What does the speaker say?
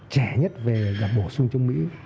trẻ nhất về gặp bổ sung trong mỹ